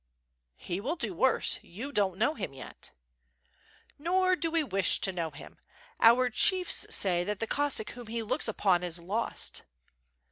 "He will do worse; you don't know him yet." "Nor do we wish to know him. Our chiefs say that the Cossack whom he looks upon is lost."